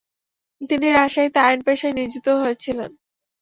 তিনি রাজশাহীতে আইন পেশায় নিয়োজিত হয়েছিলেন।